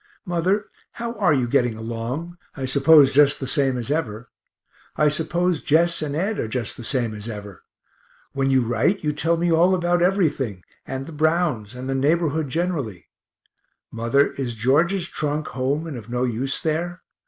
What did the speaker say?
Mother, how are you getting along I suppose just the same as ever. I suppose Jess and Ed are just the same as ever. When you write, you tell me all about everything, and the Browns, and the neighborhood generally. Mother, is George's trunk home and of no use there?